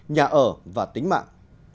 nhà ở và tính mạng